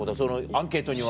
アンケートには。